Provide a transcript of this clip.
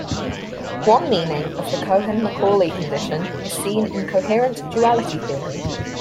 One meaning of the Cohen-Macaulay condition is seen in coherent duality theory.